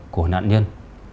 của nạn nhân